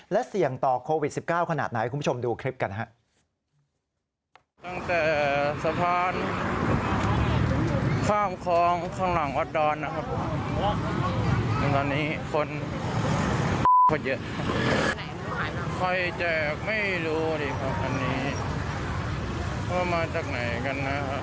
และเสี่ยงต่อโควิด๑๙ขนาดไหนคุณผู้ชมดูคลิปกันครับ